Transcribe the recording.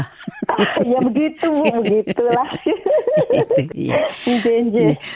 ya begitu bu begitulah